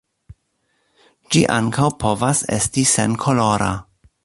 Ĝi ankaŭ povas esti senkolora.